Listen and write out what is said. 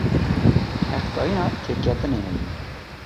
Heqdayina têketinê heye?